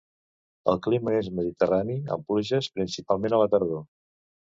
El clima és mediterrani amb pluges principalment a la tardor.